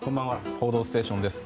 「報道ステーション」です。